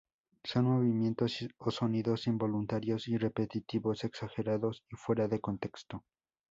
Son movimientos o sonidos involuntarios y repetitivos, exagerados y fuera de contexto.